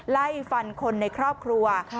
ไล่ฟันคนในครอบครัว